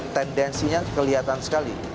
tendensinya kelihatan sekali